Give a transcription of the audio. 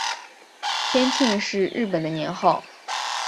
天庆是日本的年号。